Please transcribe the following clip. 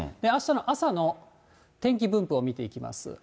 あしたの朝の天気分布を見ていきます。